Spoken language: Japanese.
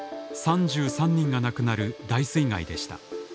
３３人が亡くなる大水害でした。